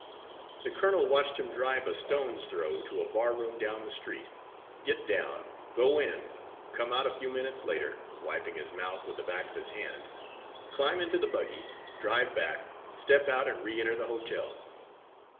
The colonel watched him drive a stone's throw to a barroom down the street, get down, go in, come out a few minutes later, wiping his mouth with the back of his hand, climb into the buggy, drive back, step out and re enter the hotel.